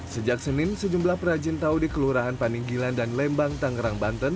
sejak senin sejumlah perajin tahu di kelurahan paninggilan dan lembang tangerang banten